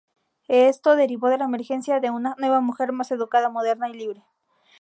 Esto derivó en la emergencia de una "nueva mujer" más educada, moderna y libre.